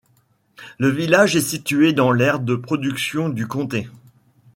Le village est situé dans l'aire de production du comté.